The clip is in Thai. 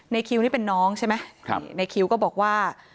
คิวนี่เป็นน้องใช่ไหมในคิวก็บอกว่า